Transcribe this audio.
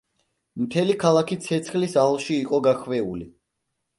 მთელი ქალაქი ცეცხლის ალში იყო გახვეული.